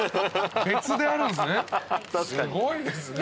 別であるんですね。